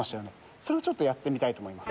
それをやってみたいと思います。